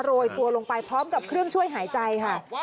โรยตัวลงไปพร้อมกับเครื่องช่วยหายใจค่ะ